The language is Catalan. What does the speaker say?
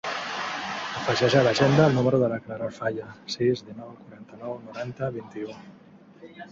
Afegeix a l'agenda el número de la Clara Alfaya: sis, dinou, quaranta-nou, noranta, vint-i-u.